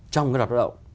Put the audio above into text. trong cái đoạn lao động